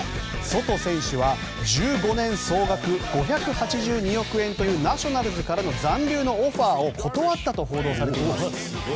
ソト選手は１５年総額５８２億円というナショナルズからの残留のオファーを断ったと報道されています。